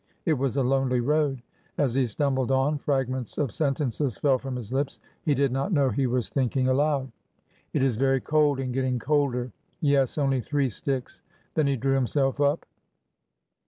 It was a lonely road. As he stumbled on, fragments of sentences fell from his lips— he did not know he was thinking aloud. '' It is very cold— and getting colder. ... Yes, only three sticks." Then he drew himself up.